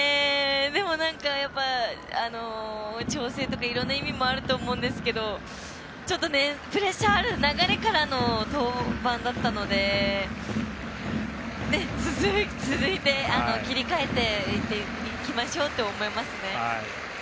でもなんか、調整とかいろんな意味もあると思うんですがちょっとプレッシャーある流れからの登板だったので続いて切り替えていきましょうと思いますね。